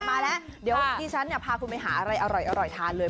มาแล้วเดี๋ยวดิฉันเนี่ยพาคุณไปหาอะไรอร่อยทานเลย